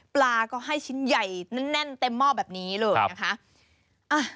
ปลาก็ให้ชิ้นใหญ่แน่นเต็มหม้อแบบนี้เลยนะคะ